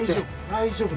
大丈夫！